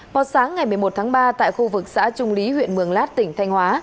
vào sáng ngày một mươi một tháng ba tại khu vực xã trung lý huyện mường lát tỉnh thanh hóa